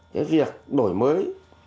cái việc đổi mới